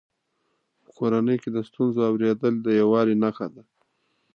په کورنۍ کې د ستونزو اورېدل د یووالي نښه ده.